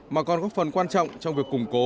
mà còn góp phần quan trọng trong việc củng cố